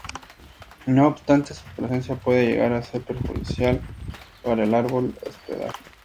No obstante, su presencia puede llegar a ser perjudicial para el árbol hospedaje.